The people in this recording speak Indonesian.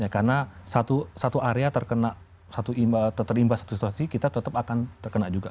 karena satu area terimbas satu situasi kita tetap akan terkena juga